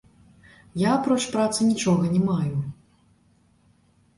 Я апроч працы нічога не маю.